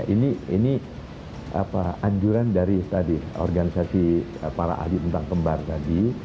ini anjuran dari tadi organisasi para ahli tentang kembar tadi